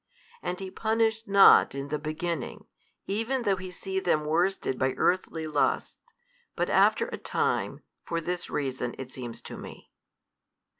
And He punisheth not in the beginning, even though He see them worsted by earthly lusts, but after a time, for this reason, as seems to me.